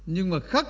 nhưng mà khắc